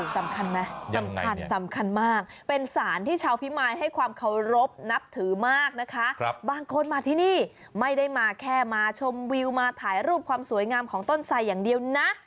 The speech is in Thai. สำคัญไหมสำคัญสำคัญมากเป็นสารที่ชาวพิมายให้ความเคารพนับถือมากนะคะบางคนมาที่นี่ไม่ได้มาแค่มาชมวิวมาถ่ายรูปความสวยงามของต้นไสอย่างเดียวนะ